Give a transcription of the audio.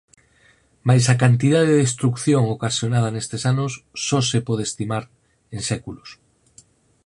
Mais a cantidade de destrución ocasionada nestes anos só se pode estimar en séculos.